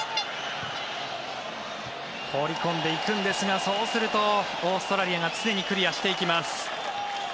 放り込んでいくんですがそうするとオーストラリアが常にクリアしていきます。